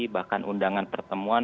bahkan undangan pertemuan